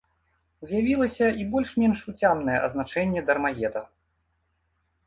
З'явілася і больш-менш уцямнае азначэнне дармаеда.